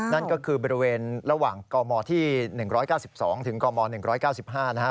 นั่นก็คือบริเวณระหว่างกมที่๑๙๒ถึงกม๑๙๕นะครับ